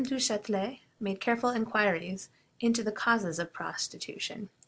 Duchatelet made careful inquiries into the causes of prostitution.